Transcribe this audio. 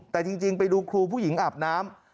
แต่จริงไปดูครูผู้หญิงอาบน้ำ